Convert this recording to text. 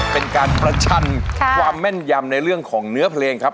เป็นการประชันความแม่นยำในเรื่องของเนื้อเพลงครับ